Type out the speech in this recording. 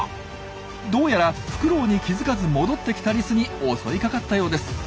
どうやらフクロウに気付かず戻ってきたリスに襲いかかったようです。